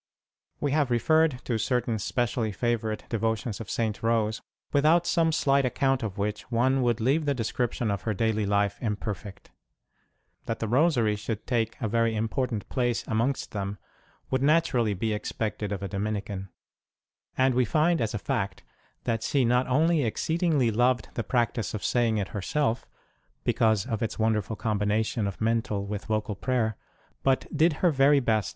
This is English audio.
} E have referred to certain specially favourite devotions of St. Rose, without some slight account of which one would leave the description of her daily life imperfect. That the Rosary should take a very important place amongst them would naturally be expected of a Dominican ; and we find as a fact that she not only exceedingly loved the practice of saying it herself, because of its wonderful combination of mental with vocal prayer, but did her very best 117 Il8 ST.